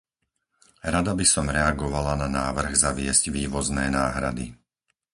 Rada by som reagovala na návrh zaviesť vývozné náhrady.